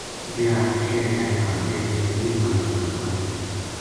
جہیڑا پِچھے رہیا تھا ویہہ میر ملک کا لوکاں نے کڈھیا